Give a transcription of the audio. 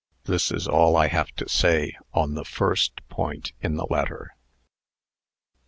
This is all I have to say on the first point in the letter."